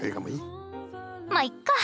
まあいっか！